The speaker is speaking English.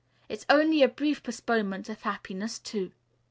It's only a brief postponement of happiness, too."